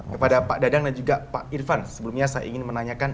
kepada pak dadang dan juga pak irvan sebelumnya saya ingin menanyakan